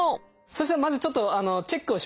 そしたらまずちょっとチェックをします。